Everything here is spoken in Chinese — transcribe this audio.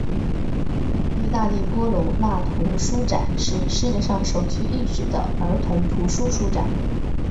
意大利波隆那童书展是世界上首屈一指的儿童图书书展。